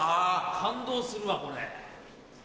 感動するわこれ。